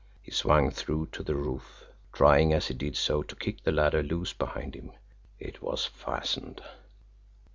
He swung through to the roof, trying, as he did so, to kick the ladder loose behind him. It was fastened!